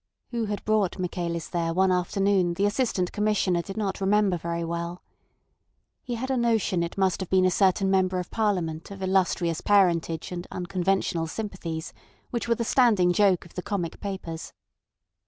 Who had brought Michaelis there one afternoon the Assistant Commissioner did not remember very well. He had a notion it must have been a certain Member of Parliament of illustrious parentage and unconventional sympathies, which were the standing joke of the comic papers.